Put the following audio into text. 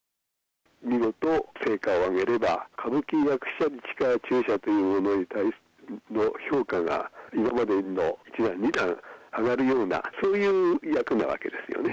見事、成果をあげれば、歌舞伎役者、市川中車というものの評価が、今までよりも一段、二段上がるような、そういう役なわけですよね。